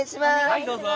はいどうぞ。